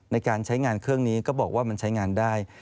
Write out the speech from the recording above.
ในการใช้งานเครื่องนี้ก็บอกว่ามันใช้งานได้